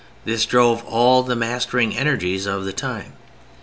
This drove all the mastering energies of the time.